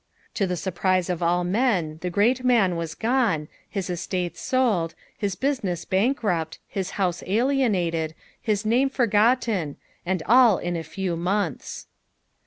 To the surpriae of all men the great man was gone, bis estates sold, his business bankrupt, his house alienated, his name forgotten, and all in a few months.